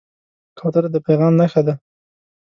کوتره د پیغام نښه ده.